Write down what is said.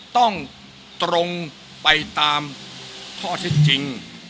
ต้องตรงไปตามข้อที่จริง